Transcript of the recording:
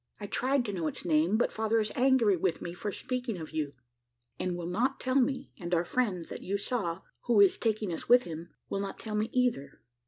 I tried to know its name, but father is angry with me for speaking of you, and will not tell me; and our friend, that you saw, who is taking us with him, will not tell me either.